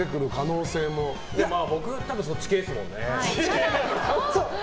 僕、そっち系ですもんね。